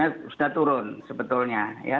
sudah turun sebetulnya ya